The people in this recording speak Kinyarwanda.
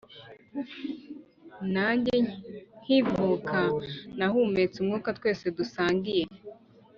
Nanjye nkivuka, nahumetse umwuka twese dusangiye,